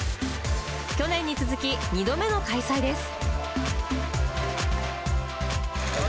去年に続き、２度目の開催です。